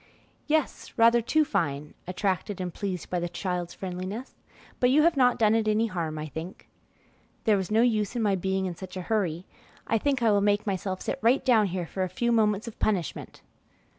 "Yes, rather too fine," attracted and pleased by the child's friendliness; "but you have not done it any harm, I think." "There was no use in my being in such a hurry. I think I will make myself sit right down here a few moments for punishment."